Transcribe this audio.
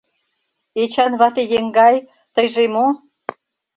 Эчан вате еҥгай, тыйже мо...